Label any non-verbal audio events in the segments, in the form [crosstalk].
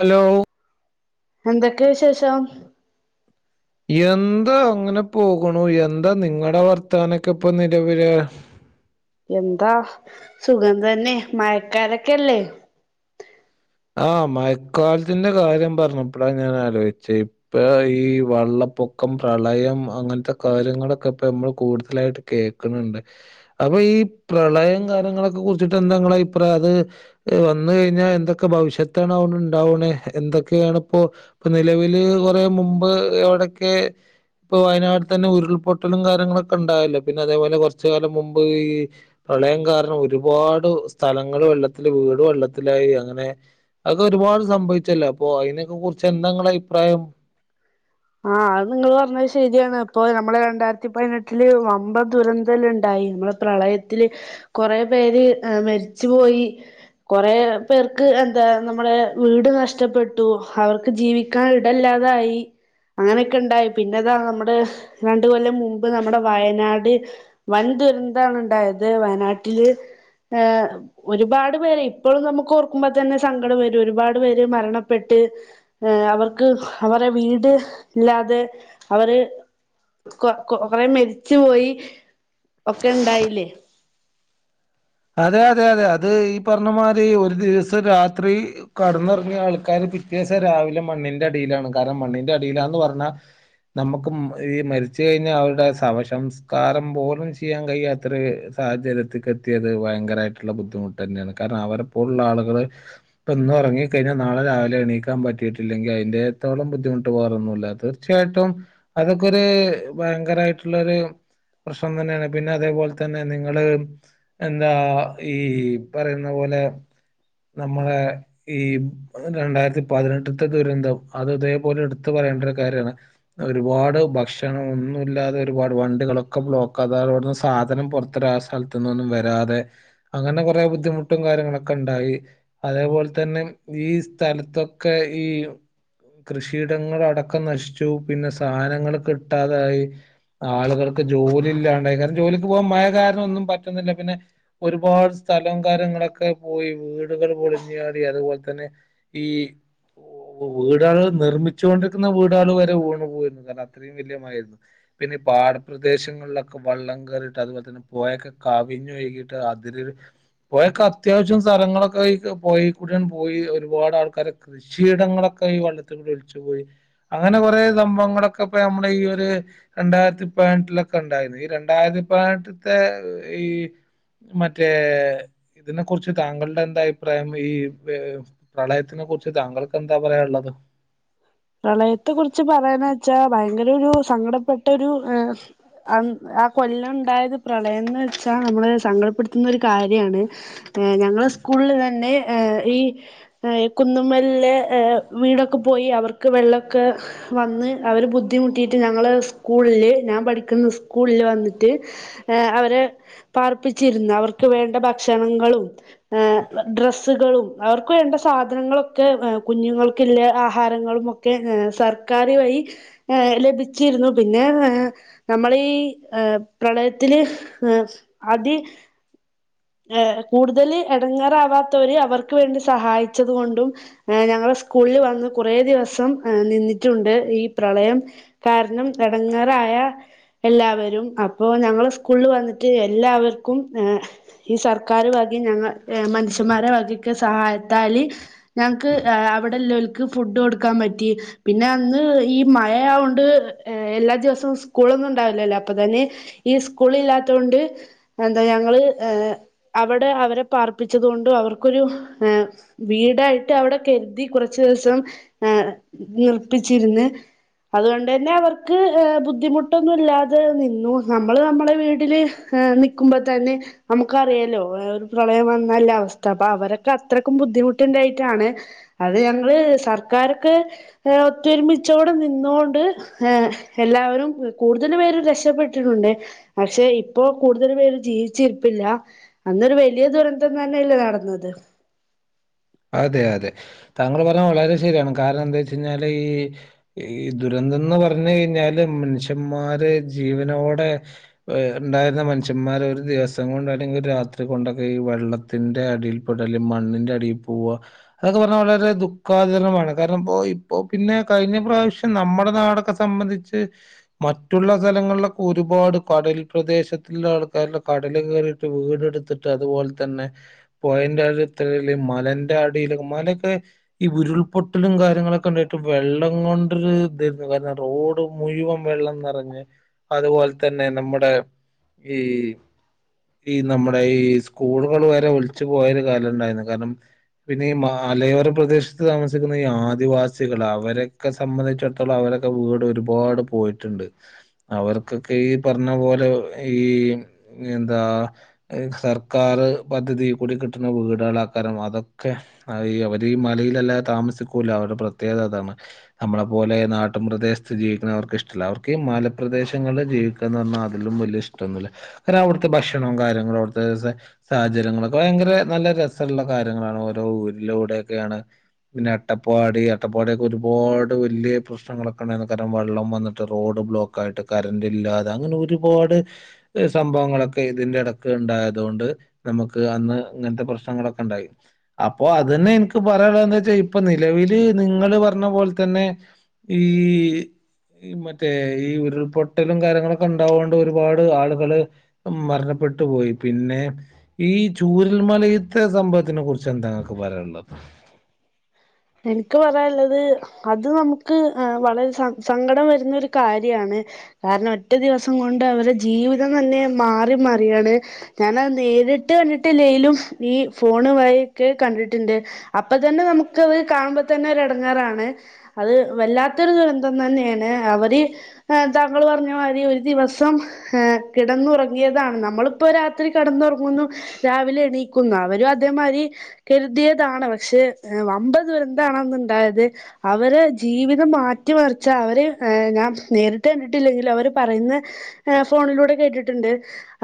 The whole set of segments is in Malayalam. ഹലോ എന്തൊക്കെയ വിശേഷം എന്താ അങ്ങനെ പോകണു എന്താ നിങ്ങളുടെ വർത്തനക്കെ ഇപ്പൊ നിലവില് എന്താ സുഗന്ധന്നെ മയക്കാരൊക്കെല്ലേ ആഹ മഴക്കാലത്തിന്റെ കാര്യം പറഞ്ഞപ്പടാ ഞാൻലോചിച്ചേ ഇപ്പ ഈ വള്ളപ്പൊക്കം പ്രളയം അങ്ങനത്തെ കാര്യങ്ങളൊക്കെ ഇപ്പ നമ്മൾ കൂടുതലായിട്ട് കേൾക്കണണ്ട് അപ്പൊ ഈ പ്രളയം കാര്യങ്ങളൊക്കെ കുറിച്ചിട്ട് എന്താങ്കാ ഇപ്ര അത് വന്ന കഴിഞ്ഞാൽ എന്തൊ ഒക്കെ ഭവിഷ്യത്താണ് ഉണ്ടാവണേ എന്തൊക്കെയാണ് ഇപ്പോ ഇപ്പൊ നിലവില് കുറ മുമ്പ് എവിടെയൊക്കെ ഇപ്പൊ വയനാട് തന്നെ ഉരുൾപൊട്ടലും കാര്യങ്ങളൊക്കെ ഉണ്ടാവല്ലോ പിന്നെ അതേപോലെ കുറച്ച കാലം മുമ്പ് ഈ പ്രളയം കാരണം ഒരുപാട് സ്ഥലങ്ങൾ വെള്ളത്തിൽ വീട് വെള്ളത്തിലായി അങ്ങനെ അക്കെ ഒരുപാട് സംഭവിച്ചല്ലോ അപ്പൊ അതിനക്കെ കുറിച്ച് എന്താങ്കടെ അഭിപ്രായം ആഹ അത് നിങ്ങള് പറഞ്ഞത് ശരിയാണ് ഇപ്പൊ നമ്മെ രണ്ടായിരത്തി പതിനെട്ടില് വമ്പൻ ദുരന്തല്ലുണ്ടായി നമ്മള പ്രളയത്തില് കൊറെ പേര് മരിച്ചുപോയി കൊറെ പേർക്ക് എന്താ നമ്മടെ വീട് നഷ്ടപ്പെട്ടു അവർക്ക് ജീവിക്കാൻ ഇടല്ലാതായി അങ്ങനെയൊക്കെ ഉണ്ടായി പിന്നെതാ നമ്മുടെ രണ്ട കൊല്ലം മുമ്പ് നമ്മുടെ വയനാട് വൻ ദുരന്താണ് ഉണ്ടായത് വയനാട്ടില് ഏ ഒരുപാട് പേര് ഇപ്പോഴും നമുക്ക് ഓർക്കുമ്പോ തന്നെ സങ്കടം വരും ഒരുപാട് പേര് മരണപ്പെട്ട് ഏ അവർക്ക് അവരെ വീട് ഇല്ലാതെ അവര് കൊ കൊ കൊറെ മരിച്ചുപയി ഒക്കെ ഉണ്ടായില്ലേ അതെ അതെ അതെ അത് ഈ പറഞ്ഞമാതിരി ഒരു ദിവസം രാത്രി കടന്നിറങ്ങിയ ആൾക്കാർ പിത്യാവശം രാവിലെ മണ്ണിന്റെ അടിയിലാണ് കാരണം മണ്ണിന്റെ അടിയിലാന്ന് പറഞ്ഞാൽ നമുക്ക് ഈ മരിച്ച കഴിഞ്ഞാൽ അവരുടെ സവസംസ്കാരം പോലും ചെയ്യാൻ കഴിയാത്ര സാഹചര്യത്തിലേക്ക് എത്തി യത് ഭയങ്കരമായിട്ടുള്ള ബുദ്ധിമുട്ട് തന്നെയാണ് കാരണം അവരെപ്പോഴ ഉള്ള ആളുകള് ഇന്നും ഇറങ്ങി കഴിഞ്ഞാൽ നാളെ രാവിലെ എണീക്കാൻ പറ്റിയിട്ടില്ലെങ്കിൽ അതിന്റെത്തോളം ബുദ്ധിമുട്ട് വേറൊന്നുമല്ല തീർച്ചയായിട്ടും അതൊക്കെ ഒരു ഭയങ്കരായിട്ടുള്ള ഒരു പ്രശ്നം തന്നെയാണ് പിന്നെ അതേപോലെ തന്നെ നിങ്ങള് എന്താ ഈ പറയുന്ന പോലെ നമ്മള ഈ രണ്ടായിരത്തി പതിനെട്ടത്തെ ദുരന്തം അത് ഇതേപോലെ എടുത്ത പറയേണ്ട ഒരു കാര്യമാണ് ഒരുപാട് ഭക്ഷണ ഒന്നുമില്ലാതെ ഒരുപാട് വണ്ടികളൊക്കെ ബ്ലോക്കത അവിടുന്ന് സാധനം പുറത്തൊരു ആ സ്ഥലത്തന്നൊന്നും വരാ വരാതെ അങ്ങനെ കുറെ ബുദ്ധിമുട്ടും കാര്യങ്ങളൊക്കെ ഉണ്ടായി അതേപോലെ തന്നെ ഈ സ്ഥലത്തൊക്കെ ഈ കൃഷിയിടങ്ങള അടക്കം നശിച്ചു പിന്നെ സാധനങ്ങൾ കിട്ടാതൊയി ആളുകൾക്ക് ജോലി ഇല്ലാണ്ടായി കാരണം ജോലിക്ക് പോകൻ മഴ കാരണം ഒന്നും പറ്റുന്നില്ല പിന്നെ ഒരുപാട് സ്ഥലം കാര്ങ്ങളൊക്കെ പോയി വീടുകൾ പൊളിഞ്ഞാടി അതുപോലെ തന്നെ ഈ വീടാൾ നിർമ്മിച്ചുക കൊണ്ടിരിക്കുന്ന വീടാൾ വരെ ഊണ് പോയിരുന്നു കാരണം അത്രയും വല്യമായിരുന്നു പിന്നെ ഈ പാടപ്രദേശങ്ങളിലൊക്കെ വള്ളം കയറിട്ട് അതുപോലെ തന്നെ പോയൊക്കെ കവിഞ്ഞുഴു കി ട്ട് അതി പോയൊക്കെ അത്യാവശ്യം സ്ഥലങ്ങളൊക്കെ പോയിക്കൂടിയൻ പോയി ഒരുപാട് ആൾക്കാര കൃഷിയിടങ്ങളൊക്കെ ഈ വള്ളത്തില കൂടി ഒലിച്ചു പോയി അങ്ങനെ കൊറെ സംഭവങ്ങളൊക്കെ ഇപ്പ നമ്മുടെ ഈ ഒരു രണ്ടായിരത്തി പതിനെട്ടിലൊക്കെ ഉണ്ടായിരുന്നു ഈ രണ്ടായിരത്തി പതിനെട്ടത്തെ ഈ മറ്റേ ഇതിനെ കുറിച്ച് താങ്കളുടെ എന്താ അഭിപ്രായം ഈ പ പ്രളയത്തിനെ കുറിച്ച് താങ്കൾക്ക് എന്താ പറയാനുള്ളത് പ്രളയത്തെ കുറിച്ച് പറയാന വെച്ചാ ഭയങ്കര ഒരു സങ്കടപ്പെട്ട ഒരു ഹ അ ആ കൊല്ലം ഉണ്ടായത് പ്രളയംന്ന് വെച്ചാൽ നമ്മളെ സങ്കടപ്പെടുത്തുന്ന ഒരു കാര്യമാണ് ഞങ്ങളുടെ സ്കൂളിൽ തന്നെ ഈ കുന്നുമലിലെ വീടൊക്കെ പോയി അവർക്ക് ക്ക്‌ വെള്ളമൊക്കെ വന്ന് അവർ ബുദ്ധിമുട്ടിയിട്ട് ഞങ്ങള് സ്കൂളിൽ ഞാൻ പഠിക്കുന്ന സ്കൂളിൽ വന്നിട്ട് അവരെ പാർപ്പിച്ചിന്ന് അവർക്ക് വേണ്ട ഭക്ഷണങ്ങളും ഡ്രെസ്സുകളും അവർക്ക് വേണ്ട സാധനങ്ങളൊക്കെ കുഞ്ഞുങ്ങൾക്കുള്ള ആഹാരങ്ങളും ഒക്കെ ഒക്കെ ഏ സർക്കാരു വമായി ഏ ലഭിച്ചിരുന്നു പിന്നെ ഏ നമ്മള ഈ ഏ പ്രളയത്തില് ഏ അതി ഏ കൂടുതൽ എടങ്ങേറാവാത്തോര് അവർക്ക് വേണ്ടി സഹായിച്ചത് കൊണ്ടും ഏ ഞങ്ങളെ സ്കൂളിൽ വന്ന് കുറേ ദിവസം ഏ നിന്നിട്ടുണ്ട് ഈ പ്രളയം കാരണം എടങ്ങേറായ എല്ലാവരും അപ്പോ ഞങ്ങൾ സ് സ്കൂൾ വന്നിട്ട് എല്ലാവർക്കും ഏ ഈ സർക്കാർ വകെം ഞങ്ങൾ മന [unintelligible] ശ്യൻമാരെ വകക്ക് സഹായത്താൽ ഞങ്ങക്ക് അവിടെല്ല ഫുഡ് കൊടുക്കാൻ പറ്റി പിന്നെ അന്ന് ഈ മഴ ആയോണ്ട് എല്ലാ ദിവസവും സ്കൂളൊന്നും ഉണ്ടാവില്ലല്ലോ അപ്പൊ തന്നെ ഈ സ്കൂൾ ഇല്ലാത്തോണ്ട് എന്താ ഞങ്ങള് അവിടെ അവരെ പാർപ്പിച്ചത് കൊണ്ടും അവർക്കൊരു വീടായിട്ട് അവിടെ കരുതി കുറച്ച ദിവസം നിർപ്പിച്ചിരുന്ന് അതുകൊണ്ട് തന്നെ അവർക്ക് ബുദ്ധിമുട്ടൊന്നും ഇല്ലാതെ നിന്നു നമ്മള് നമ്മളെ വീട്ടില് നിക്കുമ്പോ തന്നെ നമക്ക് ക്കറിയാല്ലോ ഒരു പ്രളയം വന്നാല്ല അവസ്ഥ അപ്പൊ അവരൊക്കെ അത്രയ്ക്കും ബുദ്ധിമുട്ടിന്റൊയിട്ടാണ് അത് ഞങ്ങള് സർക്കാരൊക്കെ ഒത്തൊരുമിച്ചോടെ നിന്നോണ്ട് ഹ എല്ലാവരും കൂടുതൽ പേര് രക്ഷപ്പെട്ടിട്ടുണ്ട് പക്ഷെ ഇപ്പോ കൂടുതൽ പേര് ജീവിച്ചിരിപ്പില്ല അന്നരു വലിയ ദുരന്തം തന്നെല്ലേ നടന്നത് അതെ അതെ താങ്കൾ പറഞ്ഞത് വളരെ ശരിയാണ് കാരണം എന്താ വെച്ച കഴിഞ്ഞാല് ഈ ദുരന്തംന്ന് പറഞ്ഞു കഴിഞ്ഞാല് മനുഷ്യന്മാര് ജീവനോടെ ഏ ഉണ്ടായിരുന്ന മനുഷ്യന്മാര് ഒരു ദിവസം കൊണ്ട് അല്ലെങ്കിൽ ഒരു രാത്രി കൊണ്ടൊക്കെ ഈ വെള്ളത്തിന്റെ അടിയിൽപെട്ട് അല്ലെങ്കിൽ മണ്ണിന്റെ അടിയിൽ പോവാ അതൊക്കെ പറഞ്ഞാൽ വളരെ ദുഃഖാദരമാണ് കാരണം ഇപ്പോ ഇപ്പോ പിന്നെ കഴിഞ്ഞ പ്രാവശ്യം നമ്മുടെ നാടൊക്കെ സംബന്ധിച്ച് മറ്റുള്ള സ്ഥലങ്ങളിലൊക്കെ ഒരുപാട് കടൽ പ്രദേശത്തിലുള്ള ആൾക്കാരില് കടല് കേയറിട്ട് വീടെടുത്തിട്ടു അതുപോലെ തന്നെ [unintelligible] മല ന്റെ അടിയില് മലൊക്കെ ഈ ഉരുൾപൊട്ടലും കാര്യങ്ങളൊക്കെ ഉണ്ടായിട്ട് വെള്ളം കൊണ്ടൊരു റോഡ് മുഴുവൻ വെള്ളം നിറഞ്ഞ് അതുപോലെ തന്നെ നമ്മുടെ ഈ ഈ നമ്മുടെ ഈ സ്കൂളുകൾ വരെ ഒലിച്ചു പോയൊരു കാലണ്ടായിരുന്നു കാരണം പിന്നെ ഈ മലയോര പ്രദേശത്ത് താമസിക്കുന്ന ഈ ആദിവാസികൾ അവരൊക്കെ സംബന്ധിച്ചിടത്തോളം അവരൊക്കെ വീട് ഒരുപാട് പോയിട്ടുണ്ട് അവർക്കൊക്കെ ഈ പറഞ്ഞ പോലെ ഈ എന്താ സർക്കാർ പദ്ധതിൽ കൂടി കിട്ടുന്ന വീടൾ ആക്കാരും അതൊ ഒക്കെ ഈ അവര് ഈ മലയിൽ അല്ലാതെ താമസിക്കൂല അവരുടെ പ്രത്യേകത അതാണ് നമ്മളെ പോലെ നാട്ടും പ്രദേശത്ത് ജീവിക്കുന്ന അവർക്ക് ഇഷ്ടമല്ല അവർക്ക് ഈ മലപ്രദേശങ്ങളിൽ ജീവിക്കുന്ന് പറഞ്ഞാൽ അതിലും വലിയ ഇഷ്ടൊന്നുമില്ല കാരണം അവിടുത്തെ ഭക്ഷണവും കാര്യങ്ങളും അവിടുത്തെ സാഹചര്യങ്ങളൊക്കെ ഭയങ്കര നല്ല രസമുള്ള കാര്യങ്ങളാണ് ഒരു ലോഡ് അട്ടപ്പാടി അട്ടപ്പാടി യൊക്കെ ഒരുപാട് വലിയ പ്രശ്നങ്ങളൊക്കെവെള്ളം വന്നിട്ട് റോഡ് ബ്ലോക്ക് ആയിട്ട് കരണ്ട് ഇല്ലാതെ അങ്ങനെ ഒരുപാട് സംഭവങ്ങൾ ഒക്കെ ഇതിനിടക്ക് ഉണ്ടായതുകൊണ്ട് നമുക്ക് അന്ന് ഇങ്ങനത്തെ പ്രശ്നങ്ങളൊക്കെ ഉണ്ടായി അപ്പൊ അതന്നെ ഇൻക്ക് പറയാനുള്ളത് ന്ന്‌ വെച്ചാൽ ഇപ്പൊ നിലവിൽ നിങ്ങൾ പറഞ്ഞ പോൽതന്നെ ഈ മറ്റേ ഈ ഉരുൾ പൊ [unintelligible] ഒരുപാട് ആളുകള് മരണപ്പെട്ടു പോയി പിന്നെ ഈ ചൂരൽമലയിൽത്തെ സംഭവത്തിന് കുറി എന്താ ഇങ്ങൾക്ക് പറയാനുള്ളത് ഇനിക്ക് പറയാനുള്ളത് അത് നമുക്ക് വളരെ സങ്കടം വരുന്ന ഒരു കാര്യമാണ് കാരണംഒറ്റ ദിവസം കൊണ്ട് അവരെ ജീവിതംതന്നെ മാറിമറിയാണ് ഞാൻ അത് നേരിട്ട് കണ്ടിട്ടിലേലും ഈ ഫോൺ വഴിയൊക്കെ കണ്ടിട്ടുണ്ട് അപ്പൊ തന്നെ ഇയ്ക്ക്അത് കാണുമ്പോ തന്നെ ഇടെങ്ങേറാണ് അത് വല്ലാത്തൊരുദുരന്തം തന്നെയാണ് അവര് താങ്കൾ പറഞ്ഞ മാതിരി ഒരു ദിവസം കിടന്നുറങ്ങിയതാണ് നമ്മളിപ്പോ രാത്രി കിടന്നുറങ്ങുന്നു രാവിലെ എണീക്കുന്നു അവരും അതെ മാതിരി കരുതിയതാണ് പക്ഷെ വമ്പാൻ ദുരന്താണ് അന്ന് ഇണ്ടായത്, അവരെ ജീവിതം മാറ്റിമറിച്ച അവര് ഞാൻ നേരിട്ട് കണ്ടിട്ടില്ലെങ്കും, അവര് പറയുന്ന ഏ ഫോണിലൂടെ കേട്ടിട്ടുണ്ട്,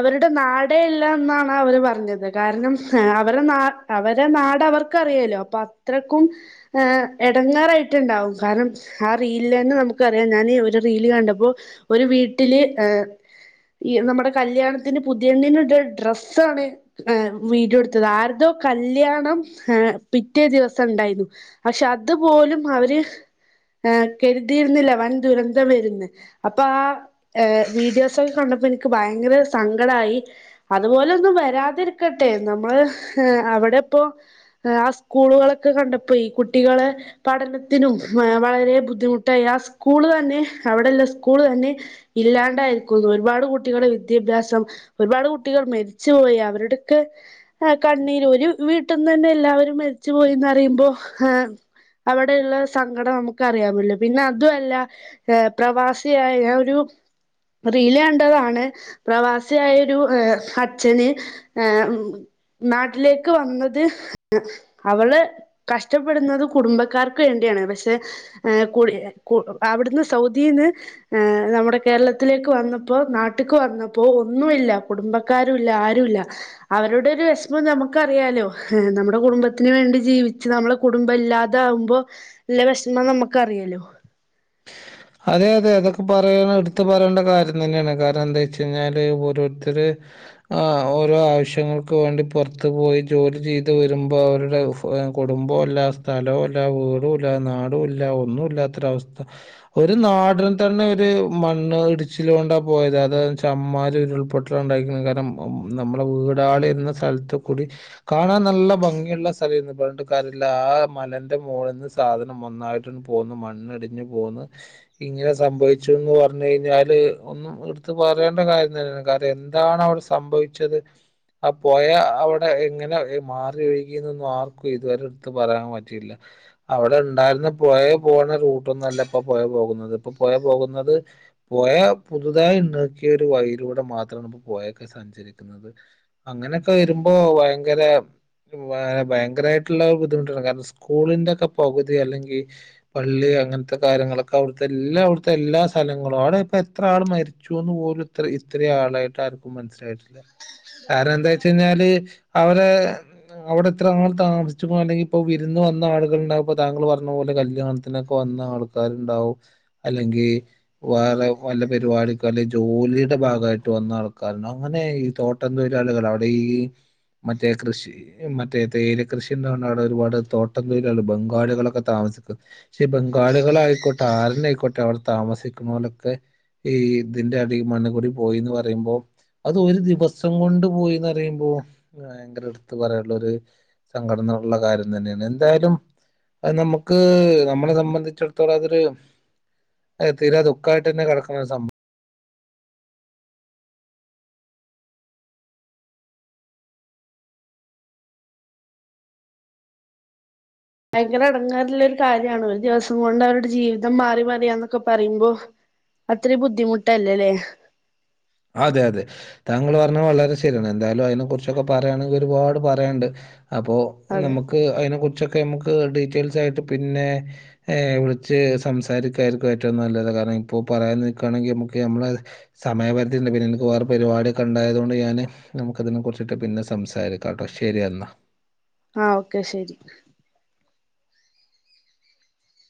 അവരുടെ നാടെ എല്ല എന്നാണ് അവര് പറഞ്ഞത് കാരണം അവരെ ന അവരെ നാട് അവർക്കറിയാല്ലോ അപ്പൊ അത്രക്കും ഏ എടങ്ങാറായിട്ടുണ്ടാവും, കാരണം ആ റീൽ എന്നെ നമുക്കറിയാം, ഞാന് ഒരു റീല് കണ്ടപ്പോ ഒരു വീട്ടില് ഏ ഈ നമ്മുടെ കല്യാണത്തിന് പുതിയണിന് ഇട്‌ ഡ്രസ്സ്‌ ആണ് ഏ വീഡിയോ എടുത്തത് ആരോതോ കല്യാണം ഏ പിറ്റേ പിറ്റേ ദിവസം ഇണ്ടായിന്, പക്ഷെ അതുപോലും അവര് കരുതിയിരുന്നില്ല വൻദുരന്തം വരുന്ന്, അപ്പൊ ആ ഏ വീഡിയോസൊക്കെ കണ്ടപ്പോ എനിക്ക് ഭയങ്കര സങ്കടായി അത്പോലെയൊന്നും വരാതിരിക്കട്ടെ നമ്മള് ഏ അവിടെ ഇപ്പോ ആ സ് സ്കൂളുകളൊക്കെ കണ്ടപ്പോ കുട്ടികളെ പഠനത്തിനും വളരെ ബുദ്ധിമുട്ടായി ആ സ്കൂള് തന്നെ അവിടെയുള്ള സ്കൂള് തന്നെ ഇല്ലാണ്ടായിരിക്കുന്നു ഒരുപാട് കുട്ടികള വിദ്യാഭ്യാസം ഒരുപാട് കുട്ടികൾ മരിച്ചുപോയി അവരുടൊക്കെ കണ്ണീര് ഒരു വീട്ടീന്ന് തന്നെ എല്ലാവരും മരിച്ച് ച്ച്, പോയി എന്ന് പറയുമ്പോ അവിടെയുള്ള സങ്കടം നമുക്ക് അറിയാമല്ലോ, പിന്നെ അതുമല്ല ഏ പ്രവാസിയായ ഒരു റീലേണ്ടതാണ് പ്രവാസിയായ ഒരു അച്ഛന് ഏ, ഉം, നാട്ടിലേക്ക് വന്നത് ഏ. അവള് കഷ്ടപ്പെടുന്നത് കുടുംബക്കാർക്ക് വേണ്ടിയാണ്, പക്ഷേ ഏ കു, കു അവിടുന്ന് സൗദിന്ന് ഏ, നമ്മുടെ കേരളത്തിലേക്ക് വന്നപ്പോ നാട്ടക്ക് വന്നപ്പോ ഒന്നുമല്ല, കുടുംബക്കാരുല്ല ആരുല്ല അവരുടെ ഒരു വെഷമം നമ്മുക്കറിയാല്ലോ നമ്മുടെ കുടുംബ കുടുംബത്തിന് വേണ്ടി ജീവിച്ചു നമ്മള കുടുംബല്ലാതാവുമ്പോള്ള വെഷമം നമുക്ക്റിയല്ലോ അതെയതെ അതൊക്കെ പറയാണെ എടുത്ത് പറയണ്ട കാര്യം തന്നെയാണ് കാരണം എന്താച്ചഴിഞ്ഞാല് ഓരോരുത്തര് ആ ഓരോ ആവശ്യങ്ങൾക്ക് വേണ്ടി പൊറത്തു പോയി ജോലി ചെയ്ത് വരുമ്പോവരുടെ കുടുംബോല്ലാ ആസ്ഥലോല്ല വീടുല്ലാ നാടുല്ല ഒന്നും ഇല്ലാത്തൊരവസ് ഒരു നാടിനെതെന്നെ ഒരു മണ്ണ് ഇടിച്ചില് കൊണ്ടാ പോയത് അത് ചമ്മറി ഒരുൾപൊട്ടല ഇണ്ടായിക്ക്ണ് കാരണം നമ്മള്, നമ്മളെ വീടാള് ഇരുന്ന സ്ഥലത്തുകൂടി. കാണാൻ നല്ല ഭംഗിയുള്ള സ്ഥലെയിരുന്നു പറഞ്ഞിട്ട്കാര്യമില്ല ആ മലന്റെ മുമോളിന്ന് നിന്ന് സാധനം ഒന്നായിട്ടൊന്ന് പോകുന്ന മണ്ണിടിഞ്ഞഞ് പോണ്, ഇങ്ങനെ സംഭവിച്ചുന്ന് പറഞ്ഞാല് കഴിഞ്ഞാല് ഒന്നും എടുത്ത് പറയേണ്ട കാര്യം തന്നെയില്ല, കാരണം എന്താണ് അവിടെ സംഭവിച്ചത് ആ പുഴ അവിടെ എങ്ങനെ മാറി ഒഴികി എന്ന് ആർക്കും ഇതുവരെ എടുത്ത് പറയാൻ പറ്റിയില്ല, അവിടെ ഉണ്ടായിരുന്ന പുഴ പോണ റൂ താണോല്ല ഇപ്പോ പോഴാ പോകുന്നത് ഇപ്പോ പോഴപോകുന്നത് പോകുന്ന പോയ പുതുതായി ഉണ്ണക്കിയ ഒരു വൈയിലൂടെ മാത്രമാണ് ഇ പോയൊക്കെ സഞ്ചരിക്കുന്നത് അങ്ങനെയൊക്കെ വരുമ്പോ ഭയങ്കര ഭയങ്കരമായിട്ടുള്ള ബുദ്ധിമുട്ടാണ് കാരണം സ്കൂളിന്റെക്കെ പകുതി അല്ലെങ്കിൽ പള്ളി അംഘനെത്തെ ഇവിത്തെ കാര്യങ്ങളൊക്കെ അവിടുത്തെല്ലാ അവിടുത്തെല്ലാ സലങ്ങളും അവിടെ ഇപ്പോ എത്രാള് മരിച്ചൂന്ന് പോലും ഇത്ര ഇത്ര ആളായിട്ട് ആർക്കും മനസ്സിലായിട്ടില്ല കാരണം എന്താചെന്നാല്. അവരെ അവിടെ എത്രാള് താമസിച്ചൂന്നോ അല്ലെങ്കിപ്പോ വിരുന്ന് വന്ന ആളുകള്ണ്ടാകുമ്പൊ താങ്കൾ പറഞ്ഞ പോലെ കല്യാണത്തിനൊക്കെ വന്ന ആൾക്കാരുണ്ടാവും, അല്ലെങ്കിൽ വേറെ വെല്ല പരിപാടിക്ക് അല്ലെങ്കിൽ ജോലിയുടെ ഭാഗമായിട്ട് വന്ന ആൾക്കാരുണ്ടാവും, അങ്ങനെ ഈ തോട്ടം തൊഴിലാളികൾ അവിടെ ഈ മറ്റേ കൃഷി മറ്റേ തേയില കൃഷിണ്ട അവിടെ ഒരുപാട് തോട്ടം തൊഴിലാളികൾ ബംഗാളികളൊക്കെ താമസിക്കും. പക്ഷെ ബം ക്കാളികൾായിക്കോട്ടെ, ആരെന്നെയിക്കോട്ടെ അവിടെ താമസിക്കുന്നോലൊക്കെ, ഈ ഇതിന്റെ അടി മണ്ണ് കൂടി പോയിന്ന് പറയുമ്പോൾ, അത് ഒരു ദിവസം കൊണ്ട് പോയിന്ന് പറയുമ്പോൾ ഭയങ്കര ഒരു എടുത്ത് പറയാനുള്ള ഒരു സങ്കടം എന്നുള്ള കാര്യാതെന്നെയാണ്. എന്തായാലും അത് നമുക്ക് നമ്മളെ സംബന്ധിച്ച് വെച്ചാടൊത്തോളം, അതൊരു ഏ തീരെ ദുഖായിട്ട് തന്നെ കിടക്കണ ഒരു സംഭവം. ഭയങ്കര എടങ്ങേറ്ള്ളൊരു കാര്യാണ് ഒരു ദിവസം കൊണ്ട് അവരുടെ ജീവിതം മാറി മറിയന്നൊക്കെ പറയുമ്പോ അത്ര ബുദ്ധിമുട്ടല്ലല്ലേ അതെ അതെ താങ്കൾ പറഞ്ഞ വളരെ ശരിയാണ് എന്തായാലും അതിനെ കുറിച്ചൊക്കെ പറയുകയാണെങ്കിൽ ഒരുപാട് പറയാണ്ട്. അപ്പോൾ അതെ നമുക്ക് അതിനെ കുറിച്ചൊ ഇപ്പോ, നമ്മക്ക് ഡീറ്റെൽസ് ആയിട്ട് ആയിട്ട് പിന്നെ ഏ വിളിച്ച് സംസാരിക്കായിരിക്കും ഏറ്റവും നല്ലത് കാരണം ഇപ്പോ പറയാൻ നിൽക്കാണെങ്കി നമുക്ക് നമ്മളെ സമയ പരുത്തി. പിന്നെ എനിക്ക് വേറെ പരിപാടിക്കെ ണ്ടായതോണ്ട് ഞാന് നമുക്കതിന് കുറിച്ചിട്ട് സംസാരിക്കാട്ടോ. ശരി എന്നാ ആഹ, ഓക്കെ ശെരി.